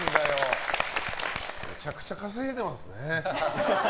めちゃくちゃ稼いでますね。